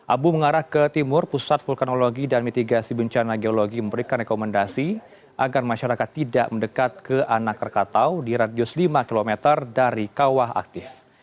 abu mengarah ke timur pusat vulkanologi dan mitigasi bencana geologi memberikan rekomendasi agar masyarakat tidak mendekat ke anak krakatau di radius lima km dari kawah aktif